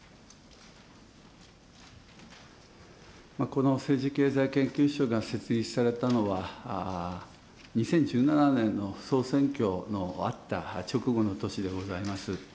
この政治経済研究所が設立されたのは、２０１７年の総選挙のあった直後の年でございます。